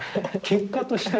結果として。